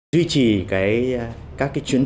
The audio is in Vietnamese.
hội nhập quốc tế apec